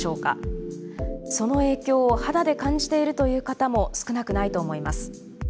その影響を肌で感じているという方も少なくないと思います。